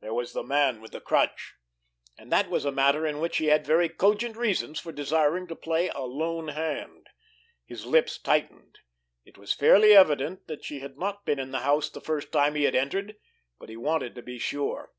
There was the Man with the Crutch! And that was a matter in which he had very cogent reasons for desiring to play a lone hand. His lips tightened. It was fairly evident that she had not been in the house the first time he had entered but he wanted to be sure.